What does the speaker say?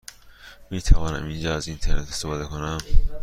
می توانم اینجا از اینترنت استفاده کنم؟